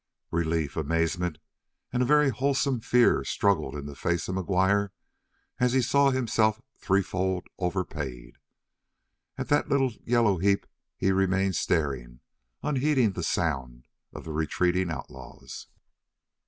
Relief, amazement, and a very wholesome fear struggled in the face of McGuire as he saw himself threefold overpaid. At that little yellow heap he remained staring, unheeding the sound of the retreating outlaws.